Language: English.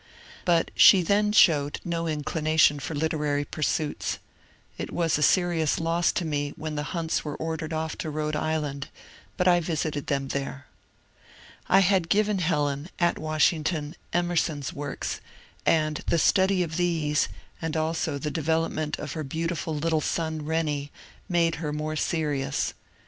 But she then showed no inclination for literary pursuits. It was a serious loss to me when the Hunts were ordered off to Rhode Island, but I visited them there. I had given Helen, at Washing^n, Emerson's works, and \^e study of these, and also the development of her beautiful ^ [little son ^nnie, made^her more serious.